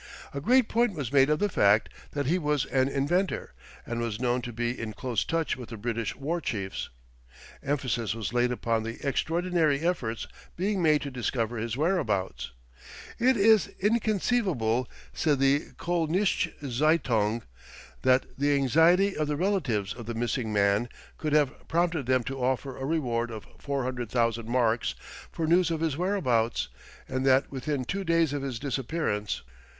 A great point was made of the fact that he was an inventor, and was known to be in close touch with the British war chiefs. Emphasis was laid upon the extraordinary efforts being made to discover his whereabouts. "It is inconceivable," said the Koelnische Zeitung, "that the anxiety of the relatives of the missing man could have prompted them to offer a reward of 400,000 marks for news of his whereabouts, and that within two days of his disappearance.